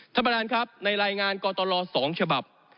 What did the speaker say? ท่านประธานครับในรายงานกตล๒ฉบับ